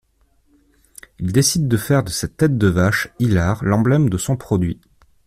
Il décide de faire de cette tête de vache hilare l'emblème de son produit.